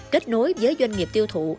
kết nối với doanh nghiệp tiêu thụ